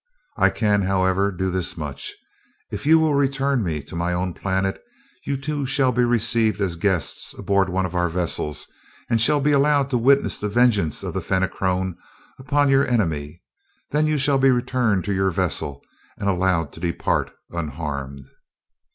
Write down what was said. I can, however, do this much if you will return me to my own planet, you two shall be received as guests aboard one of our vessels and shall be allowed to witness the vengeance of the Fenachrone upon your enemy. Then you shall be returned to your vessel and allowed to depart unharmed."